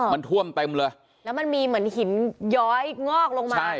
มันท่วมเต็มเลยแล้วมันมีเหมือนหินย้อยงอกลงมา